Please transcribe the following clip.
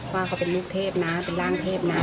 ว่าเขาเป็นลูกเทพนะเป็นร่างเทพนะ